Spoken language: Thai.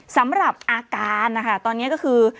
สำหรับอาการนะคะตอนนี้ก็คือ